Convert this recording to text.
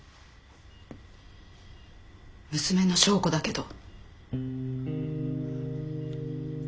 娘の昭子だけど。